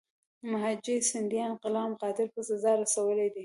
مهاجي سیندیا غلام قادر په سزا رسولی دی.